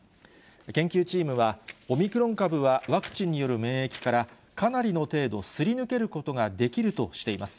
研究チームは、オミクロン株はワクチンによる免疫からかなりの程度すり抜けることができるとしています。